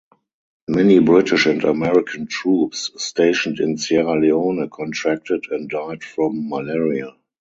Many British and American troops stationed in Sierra Leone contracted and died from malaria.